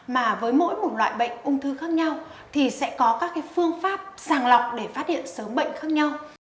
mà với mỗi một loại bệnh ung thư khác nhau thì sẽ có các phương pháp sàng lọc để phát hiện sớm bệnh khác nhau